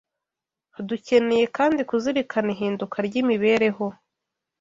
Dukeneye kandi kuzirikana ihinduka ry’imibereho